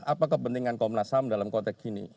apa kepentingan komnas ham dalam konteks ini